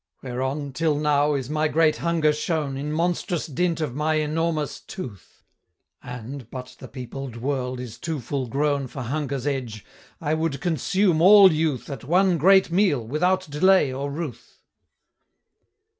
Whereon, till now, is my great hunger shown, In monstrous dint of my enormous tooth; And but the peopled world is too full grown For hunger's edge I would consume all youth At one great meal, without delay or ruth!"